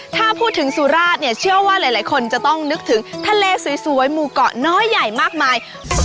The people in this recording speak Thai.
ถ้าพูดถึงสุราชเนี่ยเชื่อว่าหลายคนจะต้องนึกถึงทะเลสวยหมู่เกาะน้อยใหญ่มากมาย